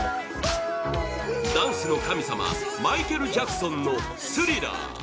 ダンスの神様マイケル・ジャクソンの「スリラー」